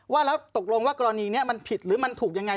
ว่าแล้วตกลงว่ากรณีนี้มันผิดหรือมันถูกยังไง